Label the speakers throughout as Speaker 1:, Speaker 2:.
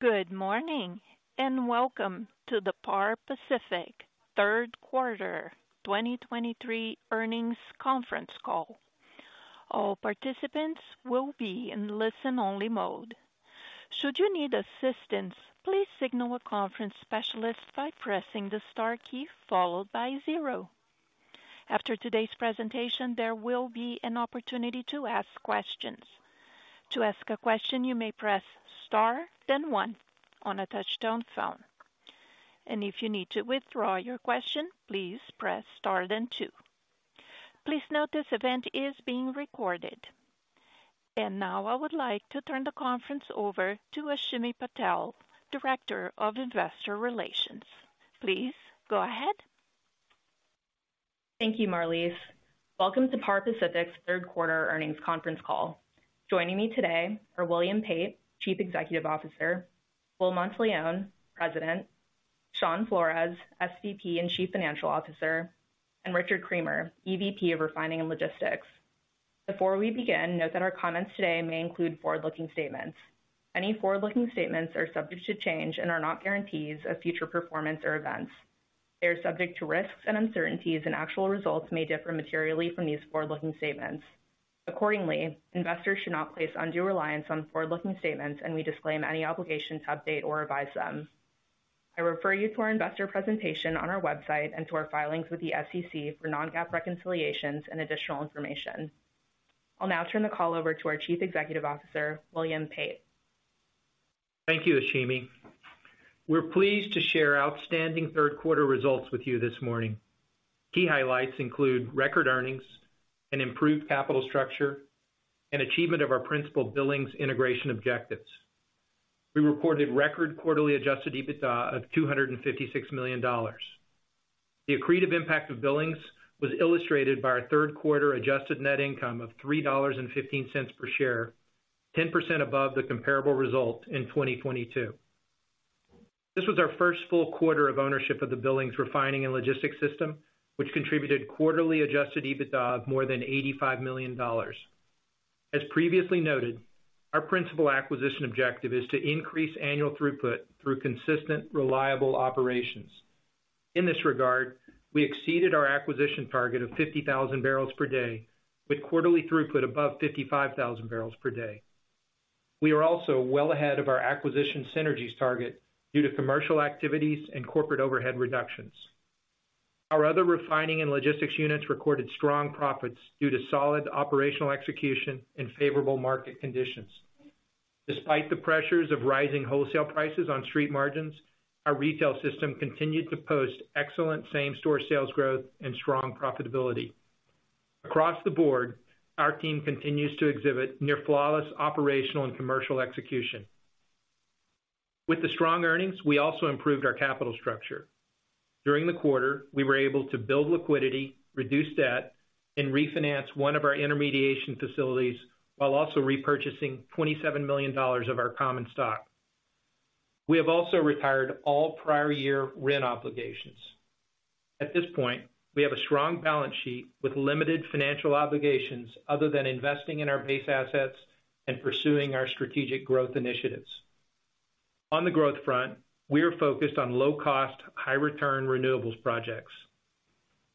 Speaker 1: Good morning, and welcome to the Par Pacific third quarter 2023 earnings conference call. All participants will be in listen-only mode. Should you need assistance, please signal a conference specialist by pressing the star key followed by zero. After today's presentation, there will be an opportunity to ask questions. To ask a question, you may press star then one on a touch-tone phone. If you need to withdraw your question, please press star then two. Please note this event is being recorded. Now I would like to turn the conference over to Ashimi Patel, Director of Investor Relations. Please go ahead.
Speaker 2: Thank you, Marlise. Welcome to Par Pacific's third quarter earnings conference call. Joining me today are William Pate, Chief Executive Officer, William Monteleone, President, Shawn Flores, Senior Vice President and Chief Financial Officer, and Richard Creamer, Executive Vice President of Refining and Logistics. Before we begin, note that our comments today may include forward-looking statements. Any forward-looking statements are subject to change and are not guarantees of future performance or events. They are subject to risks and uncertainties, and actual results may differ materially from these forward-looking statements. Accordingly, investors should not place undue reliance on forward-looking statements, and we disclaim any obligation to update or revise them. I refer you to our investor presentation on our website and to our filings with the SEC for non-GAAP reconciliations and additional information. I'll now turn the call over to our Chief Executive Officer, William Pate.
Speaker 3: Thank you, Ashimi. We're pleased to share outstanding third quarter results with you this morning. Key highlights include record earnings and improved capital structure and achievement of our principal Billings integration objectives. We reported record quarterly Adjusted EBITDA of $256 million. The accretive impact of Billings was illustrated by our third quarter adjusted net income of $3.15 per share, 10% above the comparable result in 2022. This was our first full quarter of ownership of the Billings refining and logistics system, which contributed quarterly Adjusted EBITDA of more than $85 million. As previously noted, our principal acquisition objective is to increase annual throughput through consistent, reliable operations. In this regard, we exceeded our acquisition target of 50,000 barrels per day, with quarterly throughput above 55,000 barrels per day. We are also well ahead of our acquisition synergies target due to commercial activities and corporate overhead reductions. Our other refining and logistics units recorded strong profits due to solid operational execution and favorable market conditions. Despite the pressures of rising wholesale prices on street margins, our retail system continued to post excellent same-store sales growth and strong profitability. Across the board, our team continues to exhibit near flawless operational and commercial execution. With the strong earnings, we also improved our capital structure. During the quarter, we were able to build liquidity, reduce debt, and refinance one of our intermediation facilities, while also repurchasing $27 million of our common stock. We have also retired all prior year RIN obligations. At this point, we have a strong balance sheet with limited financial obligations other than investing in our base assets and pursuing our strategic growth initiatives. On the growth front, we are focused on low-cost, high-return renewables projects.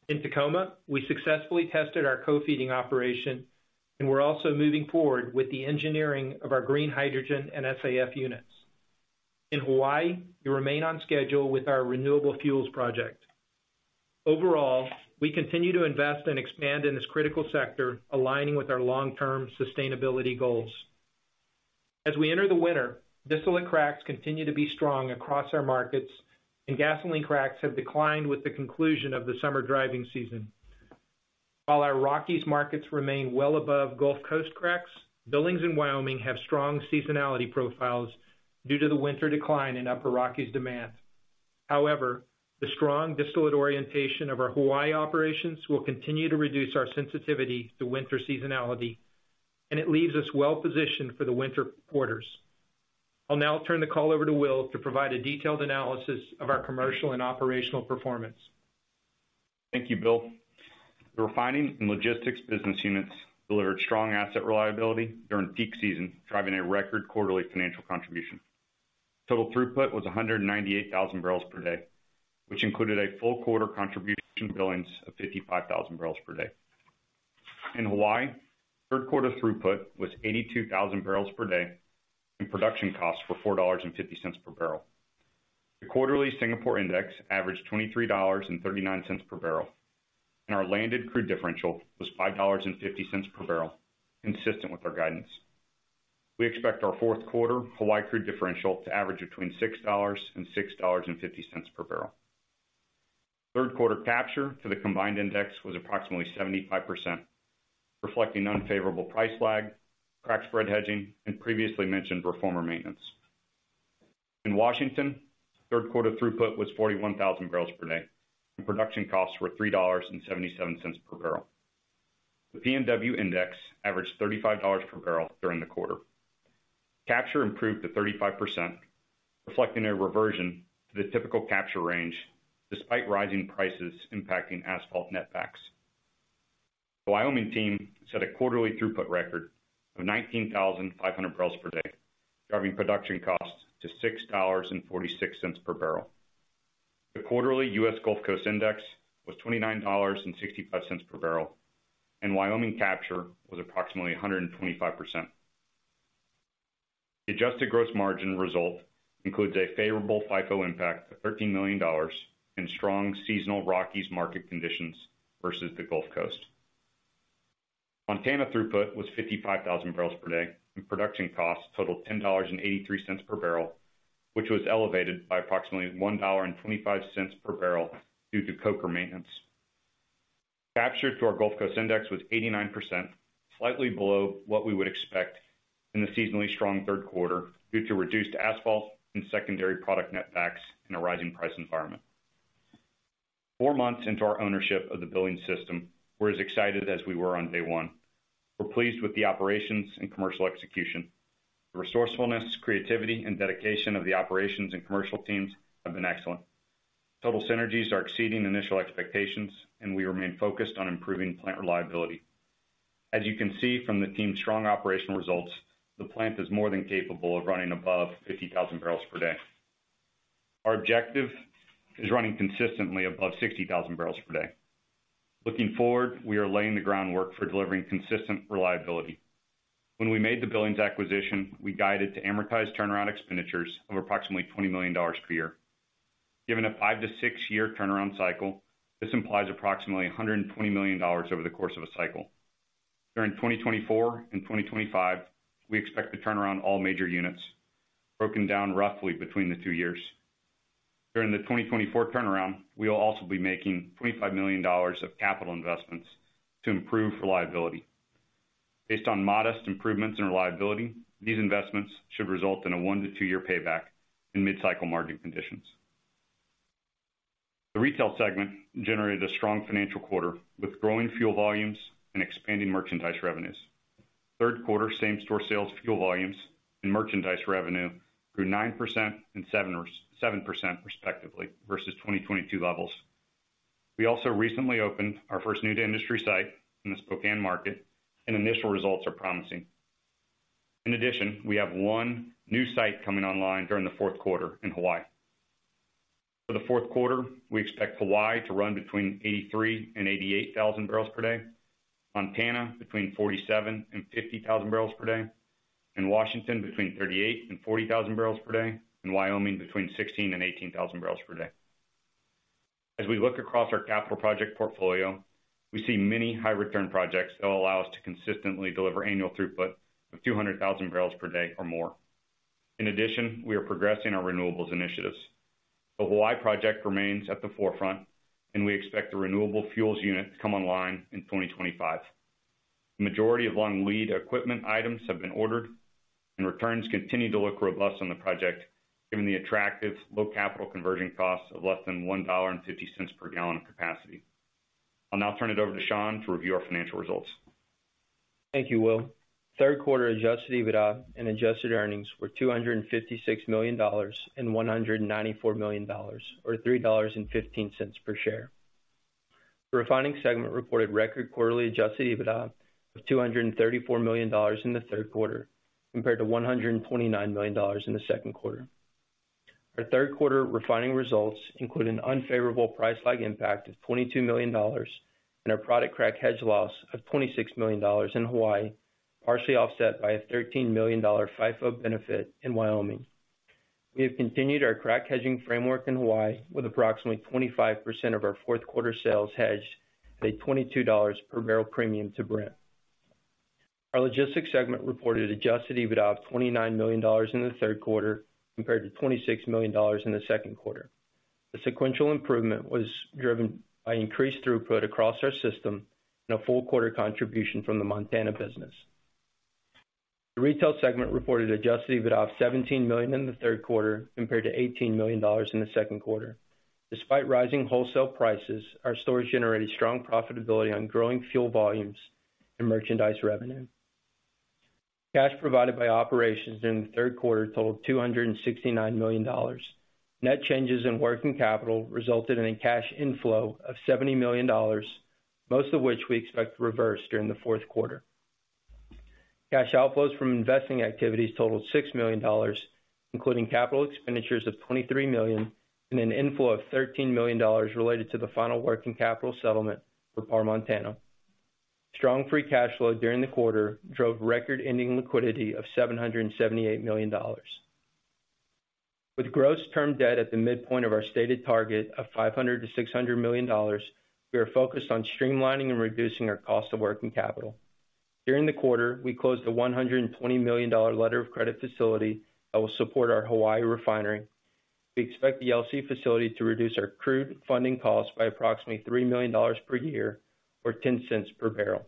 Speaker 3: In Tacoma, we successfully tested our co-feeding operation, and we're also moving forward with the engineering of our green hydrogen and SAF units. In Hawaii, we remain on schedule with our renewable fuels project. Overall, we continue to invest and expand in this critical sector, aligning with our long-term sustainability goals. As we enter the winter, distillate cracks continue to be strong across our markets, and gasoline cracks have declined with the conclusion of the summer driving season. While our Rockies markets remain well above Gulf Coast cracks, Billings in Wyoming have strong seasonality profiles due to the winter decline in Upper Rockies demand. However, the strong distillate orientation of our Hawaii operations will continue to reduce our sensitivity to winter seasonality, and it leaves us well positioned for the winter quarters. I'll now turn the call over to Will to provide a detailed analysis of our commercial and operational performance.
Speaker 4: Thank you, Bill. The refining and logistics business units delivered strong asset reliability during peak season, driving a record quarterly financial contribution. Total throughput was 198,000 barrels per day, which included a full quarter contribution to Billings of 55,000 barrels per day. In Hawaii, third quarter throughput was 82,000 barrels per day, and production costs were $4.50 per barrel. The quarterly Singapore Index averaged $23.39 per barrel, and our landed crude differential was $5.50 per barrel, consistent with our guidance. We expect our fourth quarter Hawaii crude differential to average between $6 and $6.50 per barrel. Third quarter capture for the combined index was approximately 75%, reflecting unfavorable price lag, crack spread hedging, and previously mentioned reformer maintenance. In Washington, third quarter throughput was 41,000 barrels per day, and production costs were $3.77 per barrel. The PNW index averaged $35 per barrel during the quarter. Capture improved to 35%, reflecting a reversion to the typical capture range despite rising prices impacting asphalt netbacks.... The Wyoming team set a quarterly throughput record of 19,500 barrels per day, driving production costs to $6.46 per barrel. The quarterly U.S. Gulf Coast Index was $29.65 per barrel, and Wyoming capture was approximately 125%. The adjusted gross margin result includes a favorable FIFO impact of $13 million and strong seasonal Rockies market conditions versus the Gulf Coast. Montana throughput was 55,000 barrels per day, and production costs totaled $10.83 per barrel, which was elevated by approximately $1.25 per barrel due to Coker maintenance. Capture to our Gulf Coast index was 89%, slightly below what we would expect in the seasonally strong third quarter due to reduced asphalt and secondary product net backs in a rising price environment. Four months into our ownership of the Billings system, we're as excited as we were on day one. We're pleased with the operations and commercial execution. The resourcefulness, creativity, and dedication of the operations and commercial teams have been excellent. Total synergies are exceeding initial expectations, and we remain focused on improving plant reliability. As you can see from the team's strong operational results, the plant is more than capable of running above 50,000 barrels per day. Our objective is running consistently above 60,000 barrels per day. Looking forward, we are laying the groundwork for delivering consistent reliability. When we made the Billings acquisition, we guided to amortize turnaround expenditures of approximately $20 million per year. Given a 5- to 6-year turnaround cycle, this implies approximately $120 million over the course of a cycle. During 2024 and 2025, we expect to turn around all major units, broken down roughly between the two years. During the 2024 turnaround, we will also be making $25 million of capital investments to improve reliability. Based on modest improvements in reliability, these investments should result in a 1- to 2-year payback in mid-cycle margin conditions. The retail segment generated a strong financial quarter, with growing fuel volumes and expanding merchandise revenues. Third quarter same-store sales, fuel volumes and merchandise revenue grew 9% and 7% respectively, versus 2022 levels. We also recently opened our first new-to-industry site in the Spokane market, and initial results are promising. In addition, we have one new site coming online during the fourth quarter in Hawaii. For the fourth quarter, we expect Hawaii to run between 83,000 and 88,000 barrels per day, Montana between 47,000 and 50,000 barrels per day, and Washington between 38,000 and 40,000 barrels per day, and Wyoming between 16,000 and 18,000 barrels per day. As we look across our capital project portfolio, we see many high return projects that will allow us to consistently deliver annual throughput of 200,000 barrels per day or more. In addition, we are progressing our renewables initiatives. The Hawaii project remains at the forefront, and we expect the renewable fuels unit to come online in 2025. The majority of long-lead equipment items have been ordered, and returns continue to look robust on the project, given the attractive low capital conversion costs of less than $1.50 per gallon of capacity. I'll now turn it over to Shawn to review our financial results.
Speaker 5: Thank you, Will. Third quarter adjusted EBITDA and adjusted earnings were $256 million and $194 million, or $3.15 per share. The refining segment reported record quarterly adjusted EBITDA of $234 million in the third quarter, compared to $129 million in the second quarter. Our third quarter refining results include an unfavorable price lag impact of $22 million and a product crack hedge loss of $26 million in Hawaii, partially offset by a $13 million FIFO benefit in Wyoming. We have continued our crack hedging framework in Hawaii, with approximately 25% of our fourth quarter sales hedged at $22 per barrel premium to Brent. Our logistics segment reported Adjusted EBITDA of $29 million in the third quarter, compared to $26 million in the second quarter. The sequential improvement was driven by increased throughput across our system and a full quarter contribution from the Montana business. The retail segment reported Adjusted EBITDA of $17 million in the third quarter, compared to $18 million in the second quarter. Despite rising wholesale prices, our stores generated strong profitability on growing fuel volumes and merchandise revenue. Cash provided by operations during the third quarter totaled $269 million. Net changes in working capital resulted in a cash inflow of $70 million, most of which we expect to reverse during the fourth quarter. Cash outflows from investing activities totaled $6 million, including capital expenditures of $23 million and an inflow of $13 million related to the final working capital settlement for Par Montana. Strong free cash flow during the quarter drove record-ending liquidity of $778 million. With gross term debt at the midpoint of our stated target of $500 million-$600 million, we are focused on streamlining and reducing our cost of working capital. During the quarter, we closed a $120 million letter of credit facility that will support our Hawaii refinery. We expect the LC facility to reduce our crude funding costs by approximately $3 million per year, or $0.10 per barrel.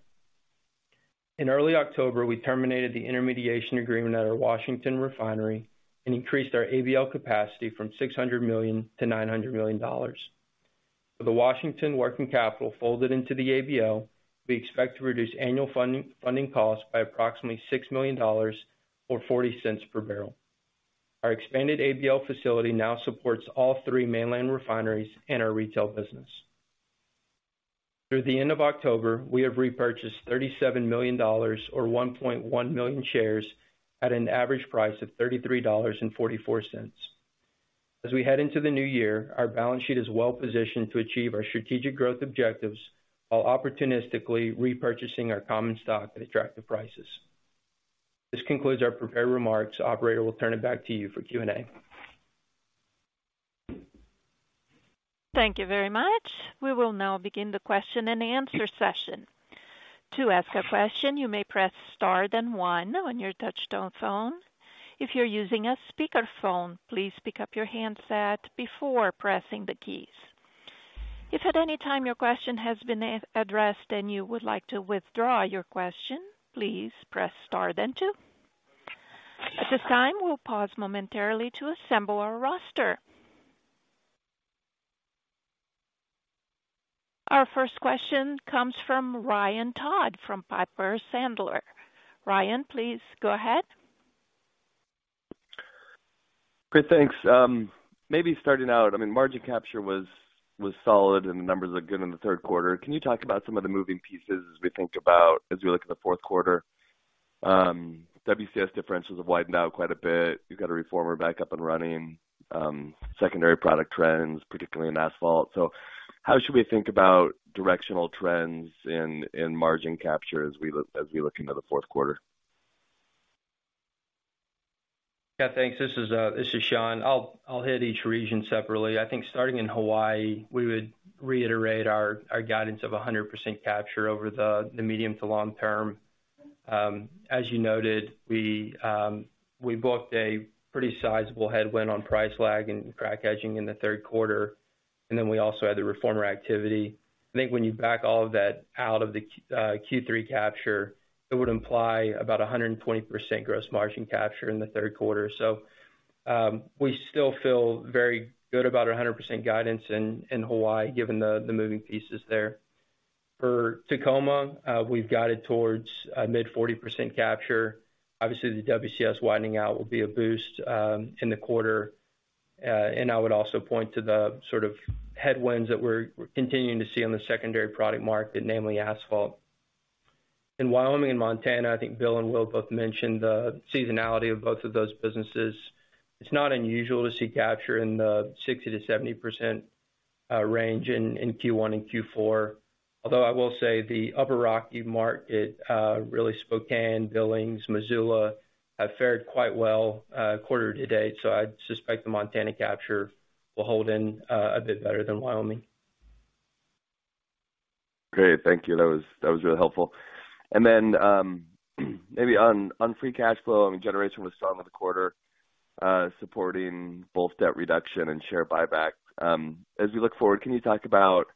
Speaker 5: In early October, we terminated the intermediation agreement at our Washington refinery and increased our ABL capacity from $600 million to $900 million. For the Washington working capital folded into the ABL, we expect to reduce annual funding, funding costs by approximately $6 million or $0.40 per barrel.... Our expanded ABL facility now supports all three mainland refineries and our retail business. Through the end of October, we have repurchased $37 million or 1.1 million shares at an average price of $33.44. As we head into the new year, our balance sheet is well positioned to achieve our strategic growth objectives, while opportunistically repurchasing our common stock at attractive prices. This concludes our prepared remarks. Operator, we'll turn it back to you for Q&A.
Speaker 1: Thank you very much. We will now begin the question-and-answer session. To ask a question, you may press star then one on your touchtone phone. If you're using a speakerphone, please pick up your handset before pressing the keys. If at any time your question has been addressed and you would like to withdraw your question, please press star then two. At this time, we'll pause momentarily to assemble our roster. Our first question comes from Ryan Todd, from Piper Sandler. Ryan, please go ahead.
Speaker 6: Great, thanks. Maybe starting out, I mean, margin capture was solid and the numbers look good in the third quarter. Can you talk about some of the moving pieces as we think about, as we look at the fourth quarter? WCS differentials have widened out quite a bit. You've got a reformer back up and running, secondary product trends, particularly in asphalt. So how should we think about directional trends in margin capture as we look into the fourth quarter?
Speaker 5: Yeah, thanks. This is Shawn. I'll hit each region separately. I think starting in Hawaii, we would reiterate our guidance of 100% capture over the medium to long term. As you noted, we booked a pretty sizable headwind on price lag and crack spread in the third quarter, and then we also had the reformer activity. I think when you back all of that out of the Q3 capture, it would imply about 120% gross margin capture in the third quarter. So, we still feel very good about our 100% guidance in Hawaii, given the moving pieces there. For Tacoma, we've guided towards a mid-40% capture. Obviously, the WCS widening out will be a boost in the quarter. And I would also point to the sort of headwinds that we're continuing to see on the secondary product market, namely asphalt. In Wyoming and Montana, I think Bill and Will both mentioned the seasonality of both of those businesses. It's not unusual to see capture in the 60%-70% range in Q1 and Q4, although I will say the Upper Rockies market, really Spokane, Billings, Missoula, have fared quite well quarter to date, so I'd suspect the Montana capture will hold in a bit better than Wyoming.
Speaker 6: Great, thank you. That was, that was really helpful. And then, maybe on, on free cash flow, I mean, generation was strong in the quarter, supporting both debt reduction and share buybacks. As we look forward, can you talk about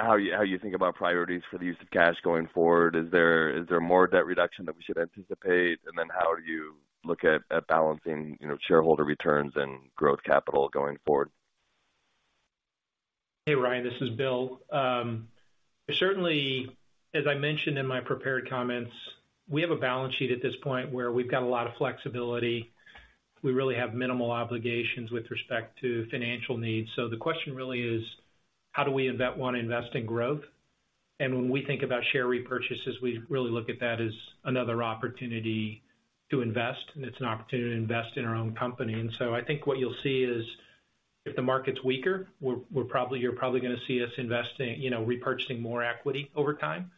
Speaker 6: how you, how you think about priorities for the use of cash going forward? Is there, is there more debt reduction that we should anticipate? And then how do you look at, at balancing, you know, shareholder returns and growth capital going forward?
Speaker 3: Hey, Ryan, this is Bill. Certainly, as I mentioned in my prepared comments, we have a balance sheet at this point where we've got a lot of flexibility. We really have minimal obligations with respect to financial needs. So the question really is: How do we invest, one, invest in growth? And when we think about share repurchases, we really look at that as another opportunity to invest, and it's an opportunity to invest in our own company. And so I think what you'll see is, if the market's weaker, you're probably going to see us investing, you know, repurchasing more equity over time.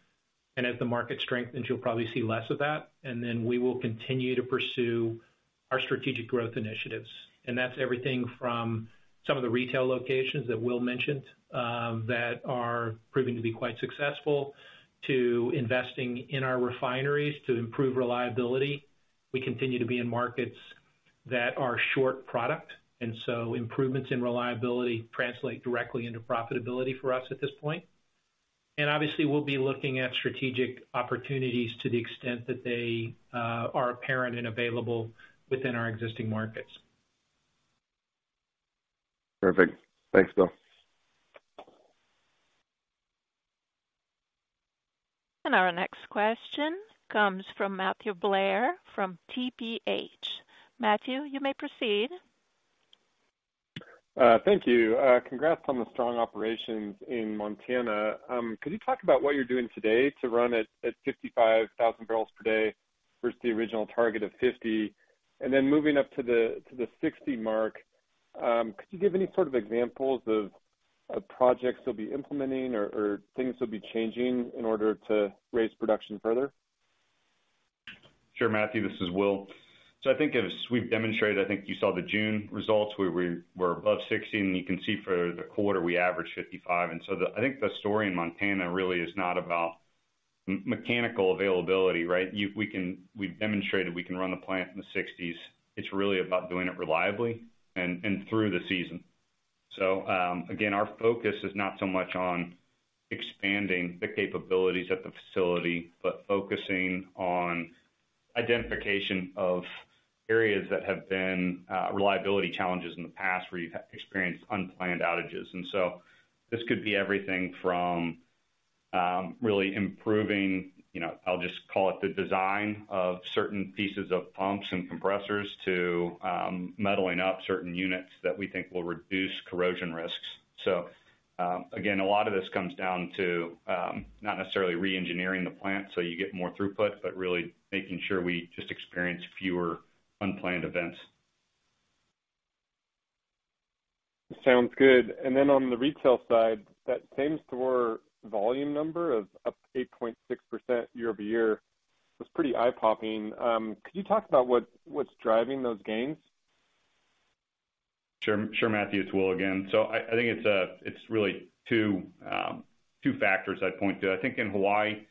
Speaker 3: And as the market strengthens, you'll probably see less of that. And then we will continue to pursue our strategic growth initiatives. That's everything from some of the retail locations that Will mentioned, that are proving to be quite successful, to investing in our refineries to improve reliability. We continue to be in markets that are short product, and so improvements in reliability translate directly into profitability for us at this point. And obviously, we'll be looking at strategic opportunities to the extent that they are apparent and available within our existing markets.
Speaker 6: Perfect. Thanks, Bill.
Speaker 1: Our next question comes from Matthew Blair, from TPH. Matthew, you may proceed.
Speaker 7: Thank you. Congrats on the strong operations in Montana. Could you talk about what you're doing today to run at 55,000 barrels per day versus the original target of 50, and then moving up to the 60 mark? Could you give any sort of examples of projects you'll be implementing or things will be changing in order to raise production further?
Speaker 5: Sure, Matthew, this is Will. So I think as we've demonstrated, I think you saw the June results, where we were above 60, and you can see for the quarter, we averaged 55. And so I think the story in Montana really is not about mechanical availability, right? We've demonstrated we can run the plant in the 60s. It's really about doing it reliably and through the season. So again, our focus is not so much on expanding the capabilities at the facility, but focusing on identification of areas that have been reliability challenges in the past, where you've experienced unplanned outages. And so this could be everything from... really improving, you know, I'll just call it the design of certain pieces of pumps and compressors to meddling up certain units that we think will reduce corrosion risks. So, again, a lot of this comes down to not necessarily reengineering the plant, so you get more throughput, but really making sure we just experience fewer unplanned events.
Speaker 7: Sounds good. And then on the retail side, that same-store volume number of up 8.6% year-over-year was pretty eye-popping. Could you talk about what, what's driving those gains?
Speaker 4: Sure, sure, Matthew, it's Will again. So I think it's really two two factors I'd point to. I think in Hawaii,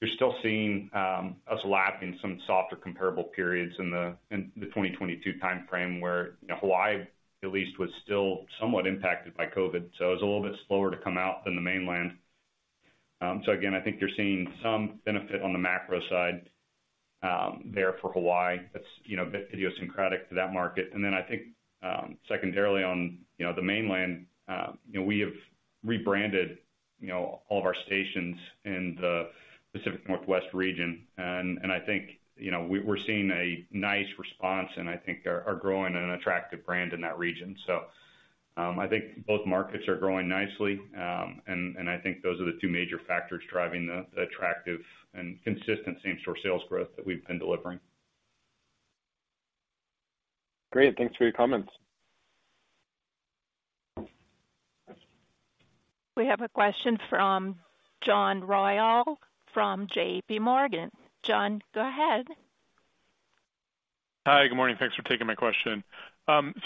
Speaker 4: you're still seeing us lapping some softer comparable periods in the 2022 timeframe, where, you know, Hawaii, at least, was still somewhat impacted by COVID, so it was a little bit slower to come out than the mainland. So again, I think you're seeing some benefit on the macro side there for Hawaii. That's, you know, a bit idiosyncratic to that market. And then I think secondarily on, you know, the mainland, you know, we have rebranded, you know, all of our stations in the Pacific Northwest region. And I think, you know, we're seeing a nice response, and I think are growing in an attractive brand in that region. I think both markets are growing nicely, and I think those are the two major factors driving the attractive and consistent same-store sales growth that we've been delivering.
Speaker 7: Great. Thanks for your comments.
Speaker 1: We have a question from John Royal from JP Morgan. John, go ahead.
Speaker 8: Hi, good morning. Thanks for taking my question.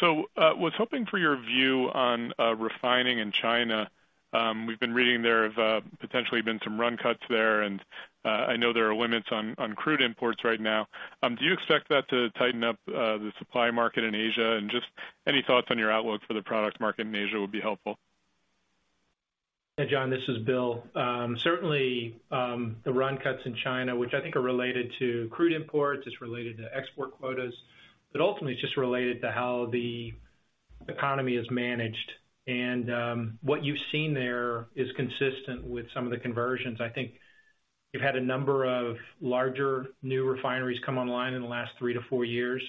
Speaker 8: So, was hoping for your view on refining in China. We've been reading there have potentially been some run cuts there, and I know there are limits on crude imports right now. Do you expect that to tighten up the supply market in Asia? And just any thoughts on your outlook for the product market in Asia would be helpful.
Speaker 3: Hey, John, this is Bill. Certainly, the run cuts in China, which I think are related to crude imports, it's related to export quotas, but ultimately it's just related to how the economy is managed. What you've seen there is consistent with some of the conversions. I think you've had a number of larger, new refineries come online in the last 3-4 years.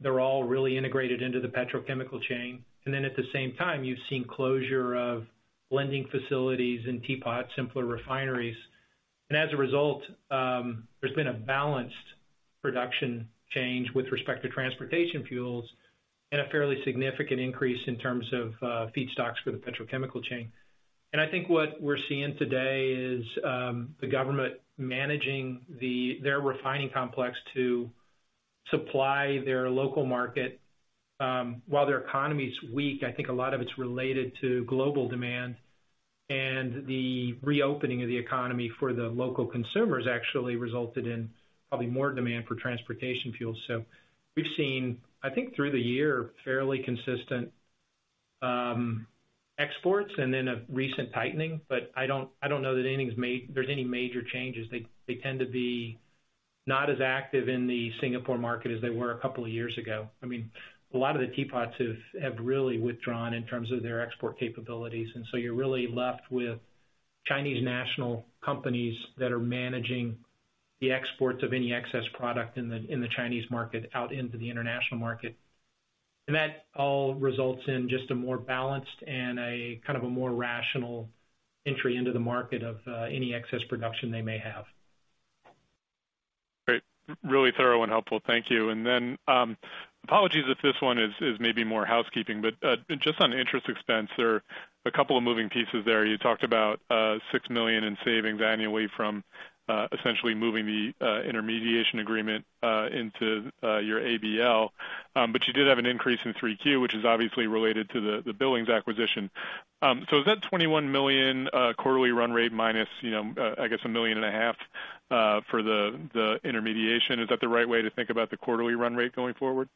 Speaker 3: They're all really integrated into the petrochemical chain. Then at the same time, you've seen closure of blending facilities in TPOT, simpler refineries. As a result, there's been a balanced production change with respect to transportation fuels and a fairly significant increase in terms of feedstocks for the petrochemical chain. I think what we're seeing today is the government managing their refining complex to supply their local market, while their economy is weak. I think a lot of it's related to global demand, and the reopening of the economy for the local consumers actually resulted in probably more demand for transportation fuels. So we've seen, I think, through the year, fairly consistent exports and then a recent tightening, but I don't know that anything's—there's any major changes. They tend to be not as active in the Singapore market as they were a couple of years ago. I mean, a lot of the TPOTS have really withdrawn in terms of their export capabilities, and so you're really left with Chinese national companies that are managing the exports of any excess product in the Chinese market out into the international market. And that all results in just a more balanced and a kind of a more rational entry into the market of any excess production they may have.
Speaker 8: Great. Really thorough and helpful. Thank you. And then, apologies if this one is maybe more housekeeping, but just on interest expense, there are a couple of moving pieces there. You talked about $6 million in savings annually from essentially moving the intermediation agreement into your ABL. But you did have an increase in 3Q, which is obviously related to the Billings acquisition. So is that $21 million quarterly run rate minus, you know, I guess $1.5 million for the intermediation? Is that the right way to think about the quarterly run rate going forward?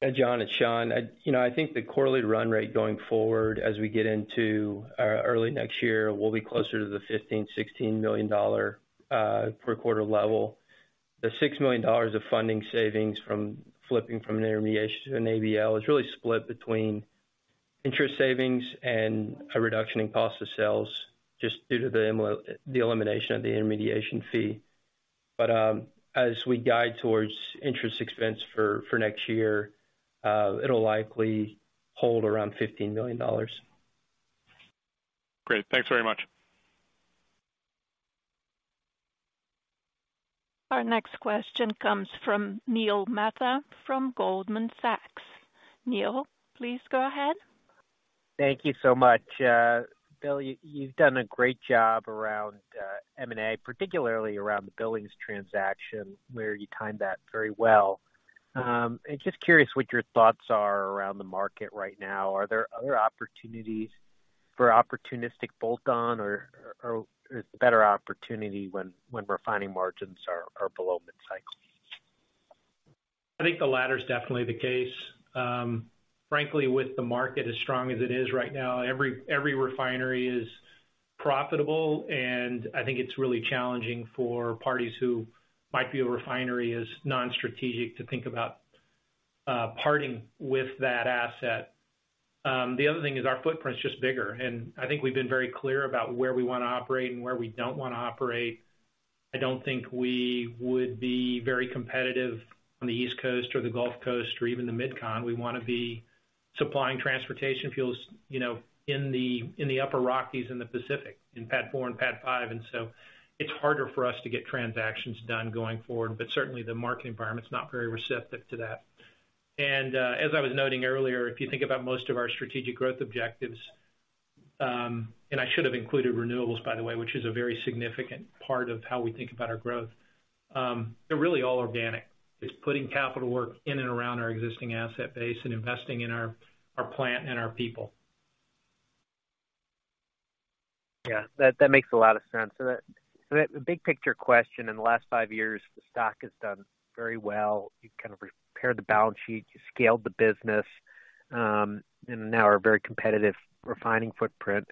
Speaker 4: Hey, John, it's Shawn. You know, I think the quarterly run rate going forward as we get into early next year will be closer to the $15-$16 million per quarter level. The $6 million of funding savings from flipping from an intermediation to an ABL is really split between interest savings and a reduction in cost of sales, just due to the elimination of the intermediation fee. But as we guide towards interest expense for next year, it'll likely hold around $15 million.
Speaker 8: Great. Thanks very much.
Speaker 1: Our next question comes from Neil Mehta, from Goldman Sachs. Neil, please go ahead.
Speaker 9: Thank you so much. Bill, you've done a great job around M&A, particularly around the Billings transaction, where you timed that very well. I'm just curious what your thoughts are around the market right now. Are there other opportunities for opportunistic bolt-on or is the better opportunity when refining margins are below mid-cycle?
Speaker 3: I think the latter is definitely the case. Frankly, with the market, as strong as it is right now, every, every refinery is profitable, and I think it's really challenging for parties who might view a refinery as non-strategic to think about-...
Speaker 10: parting with that asset. The other thing is our footprint's just bigger, and I think we've been very clear about where we want to operate and where we don't want to operate. I don't think we would be very competitive on the East Coast or the Gulf Coast or even the Mid-Con. We want to be supplying transportation fuels, you know, in the Upper Rockies and the Pacific, in PADD 4 and PADD 5. And so it's harder for us to get transactions done going forward, but certainly the market environment's not very receptive to that. And as I was noting earlier, if you think about most of our strategic growth objectives, and I should have included renewables, by the way, which is a very significant part of how we think about our growth, they're really all organic. It's putting capital work in and around our existing asset base and investing in our, our plant and our people.
Speaker 11: Yeah, that makes a lot of sense. So a big picture question, in the last five years, the stock has done very well. You've kind of repaired the balance sheet, you scaled the business, and now are a very competitive refining footprint.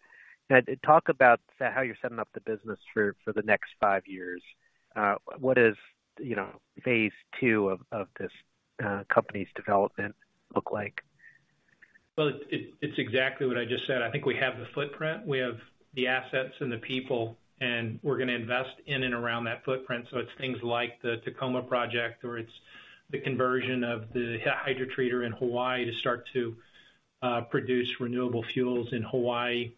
Speaker 11: Now, talk about how you're setting up the business for the next five years. What is, you know, phase two of this company's development look like?
Speaker 10: Well, it's exactly what I just said. I think we have the footprint, we have the assets and the people, and we're going to invest in and around that footprint. So it's things like the Tacoma project, or it's the conversion of the hydrotreater in Hawaii to start to produce renewable fuels in Hawaii.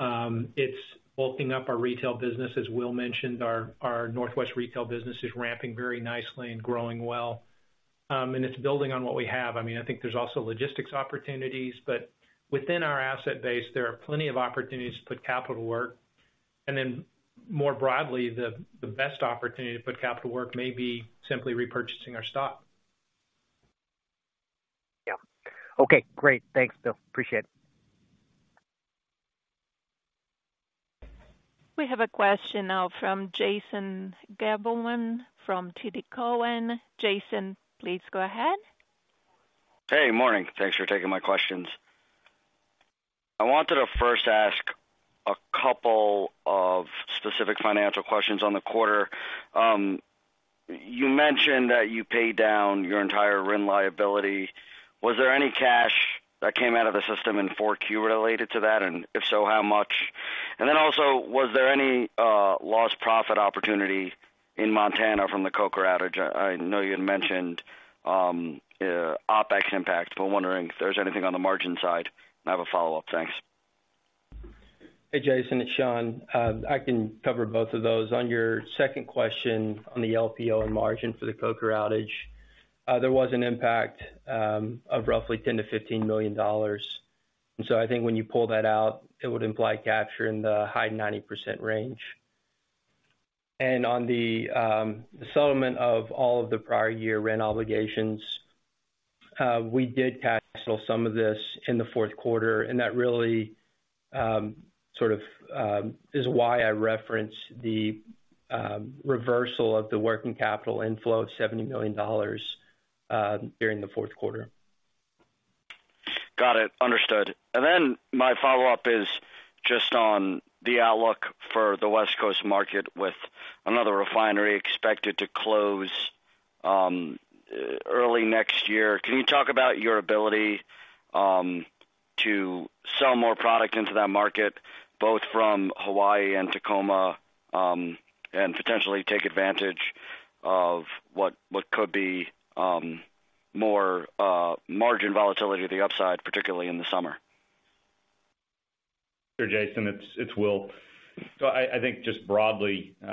Speaker 10: It's bulking up our retail business. As Will mentioned, our Northwest retail business is ramping very nicely and growing well. And it's building on what we have. I mean, I think there's also logistics opportunities, but within our asset base, there are plenty of opportunities to put capital to work. And then more broadly, the best opportunity to put capital work may be simply repurchasing our stock.
Speaker 11: Yeah. Okay, great. Thanks, Bill. Appreciate it.
Speaker 1: We have a question now from Jason Gabelman from TD Cowen. Jason, please go ahead.
Speaker 12: Hey, morning. Thanks for taking my questions. I wanted to first ask a couple of specific financial questions on the quarter. You mentioned that you paid down your entire RIN liability. Was there any cash that came out of the system in 4Q related to that? And if so, how much? And then also, was there any lost profit opportunity in Montana from the Coker outage? I know you had mentioned OpEx impact, but wondering if there's anything on the margin side. And I have a follow-up. Thanks.
Speaker 5: Hey, Jason, it's Sean. I can cover both of those. On your second question, on the LPO and margin for the Coker outage, there was an impact of roughly $10-$15 million. And so I think when you pull that out, it would imply capture in the high 90% range. And on the settlement of all of the prior year RIN obligations, we did cancel some of this in the fourth quarter, and that really sort of is why I referenced the reversal of the working capital inflow of $70 million during the fourth quarter.
Speaker 12: Got it. Understood. And then my follow-up is just on the outlook for the West Coast market, with another refinery expected to close early next year. Can you talk about your ability to sell more product into that market, both from Hawaii and Tacoma, and potentially take advantage of what could be more margin volatility to the upside, particularly in the summer?
Speaker 10: Sure, Jason, it's Will. So I think just broadly, you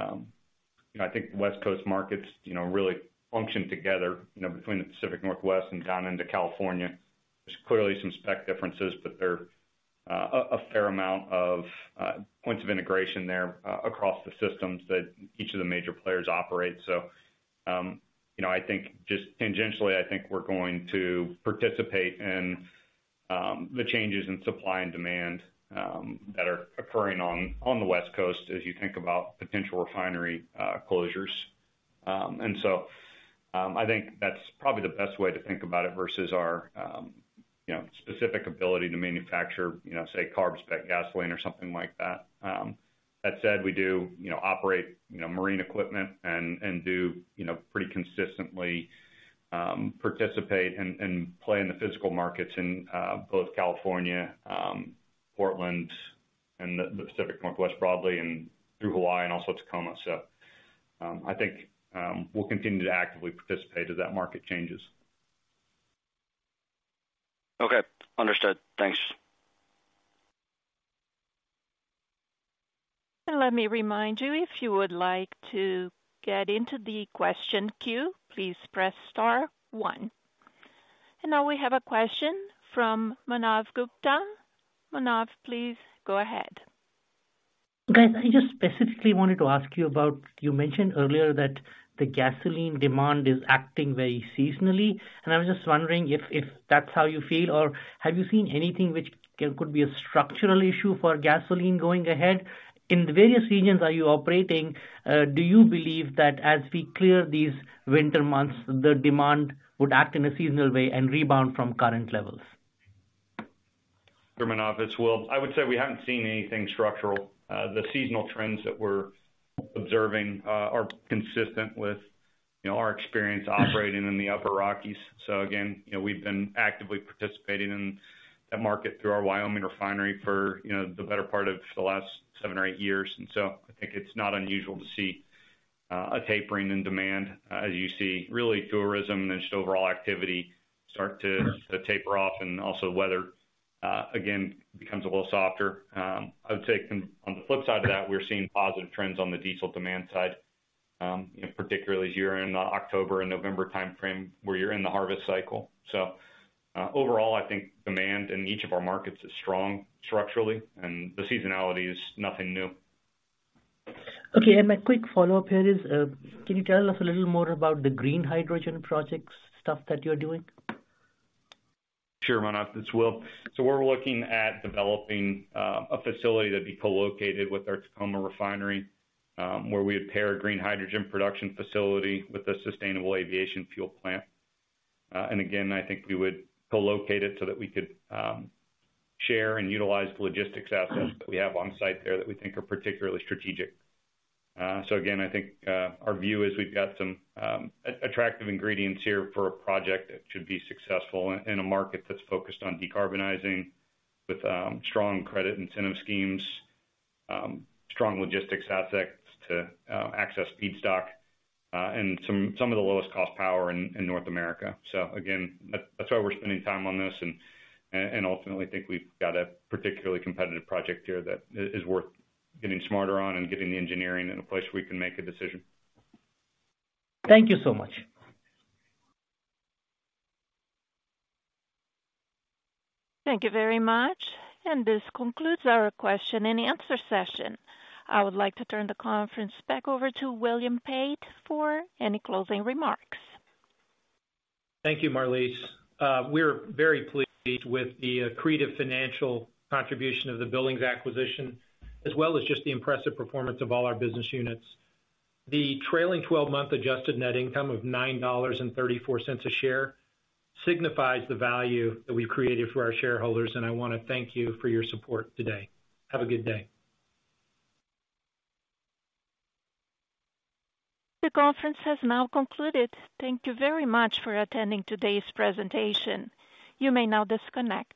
Speaker 10: know, I think West Coast markets, you know, really function together, you know, between the Pacific Northwest and down into California. There's clearly some spec differences, but there are a fair amount of points of integration there across the systems that each of the major players operate. So, you know, I think just tangentially, I think we're going to participate in the changes in supply and demand that are occurring on the West Coast as you think about potential refinery closures. And so, I think that's probably the best way to think about it versus our specific ability to manufacture, you know, say, CARB spec gasoline or something like that. That said, we do, you know, operate, you know, marine equipment and, and do, you know, pretty consistently, participate and, and play in the physical markets in both California, Portland and the, the Pacific Northwest broadly and through Hawaii and also Tacoma. So, I think, we'll continue to actively participate as that market changes.
Speaker 12: Okay, understood. Thanks.
Speaker 1: Let me remind you, if you would like to get into the question queue, please press star one. Now we have a question from Manav Gupta. Manav, please go ahead.
Speaker 11: Guys, I just specifically wanted to ask you about... You mentioned earlier that the gasoline demand is acting very seasonally, and I was just wondering if that's how you feel, or have you seen anything which could be a structural issue for gasoline going ahead? In the various regions are you operating, do you believe that as we clear these winter months, the demand would act in a seasonal way and rebound from current levels?...
Speaker 4: Sure, Manav. Well, I would say we haven't seen anything structural. The seasonal trends that we're observing are consistent with, you know, our experience operating in the Upper Rockies. So again, you know, we've been actively participating in that market through our Wyoming refinery for, you know, the better part of the last seven or eight years. And so I think it's not unusual to see a tapering in demand as you see, really, tourism and just overall activity start to taper off and also weather again becomes a little softer. I would say on the flip side of that, we're seeing positive trends on the diesel demand side, you know, particularly here in the October and November timeframe, where you're in the harvest cycle. Overall, I think demand in each of our markets is strong structurally, and the seasonality is nothing new.
Speaker 11: Okay, and my quick follow-up here is, can you tell us a little more about the Green Hydrogen projects stuff that you're doing?
Speaker 4: Sure, Manav, it's Will. So we're looking at developing a facility that'd be co-located with our Tacoma refinery, where we would pair a green hydrogen production facility with a sustainable aviation fuel plant. And again, I think we would co-locate it so that we could share and utilize the logistics assets that we have on site there that we think are particularly strategic. So again, I think our view is we've got some attractive ingredients here for a project that should be successful in a market that's focused on decarbonizing with strong credit incentive schemes, strong logistics assets to access feedstock, and some of the lowest cost power in North America. So again, that's why we're spending time on this and ultimately think we've got a particularly competitive project here that is worth getting smarter on and getting the engineering in a place we can make a decision.
Speaker 11: Thank you so much.
Speaker 1: Thank you very much, and this concludes our question and answer session. I would like to turn the conference back over to William Pate for any closing remarks.
Speaker 4: Thank you, Marlise. We're very pleased with the accretive financial contribution of the Billings acquisition, as well as just the impressive performance of all our business units. The trailing twelve-month adjusted net income of $9.34 a share signifies the value that we've created for our shareholders, and I wanna thank you for your support today. Have a good day.
Speaker 1: The conference has now concluded. Thank you very much for attending today's presentation. You may now disconnect.